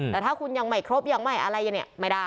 แต่ถ้าคุณยังไม่ครบยังไม่อะไรเนี่ยไม่ได้